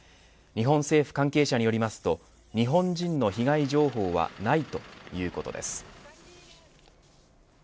日本政府関係者によりますと日本人の被害情報はないということです。